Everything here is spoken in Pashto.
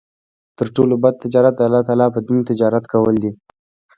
تر ټولو بَد تجارت د الله تعالی په دين تجارت کول دی